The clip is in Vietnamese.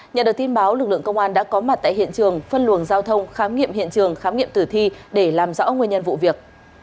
nhận được tin báo lực lượng công an đã có mặt tại hiện trường phân luồng giao thông khám nghiệm hiện trường khám nghiệm tử thi để làm rõ nguyên nhân vụ việc